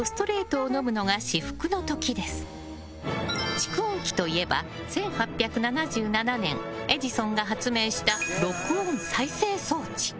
蓄音機いえば１８７７年エジソンが発明した録音・再生装置。